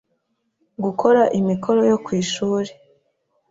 gukora imikoro yo kw’ishuli,